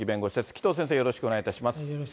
紀藤先生、よろしくお願いいたします。